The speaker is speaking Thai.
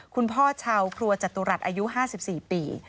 คุณพ่อชาวครัวจตุรัสอายุ๕๔ปี